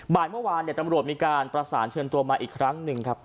บ่ายเมื่อวานตำรวจมีการประสานเชิญตัวมาอีกครั้งหนึ่งครับ